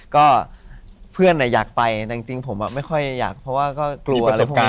ก็เพื่อนอะอยากไปจริงผมอะไม่ค่อยอยากเพราะว่าก็กลัวอะไรพวกนี้